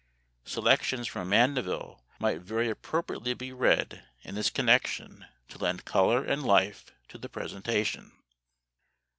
Selections from Mandeville might very appropriately be read in this connection to lend color and life to the presentation.